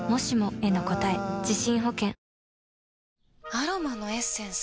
アロマのエッセンス？